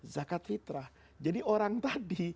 zakat fitrah jadi orang tadi